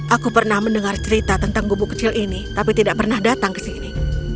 aku pernah mendengar cerita tentang gubu kecil ini tapi tidak pernah datang ke sini